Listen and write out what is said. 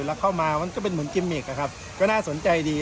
แล้วเข้ามามันก็เป็นเหมือนกิมมิกนะครับก็น่าสนใจดี